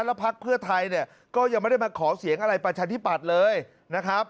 แล้วพักเพื่อไทยเนี่ยก็ยังไม่ได้มาขอเสียงอะไรประชาธิปัตย์เลยนะครับ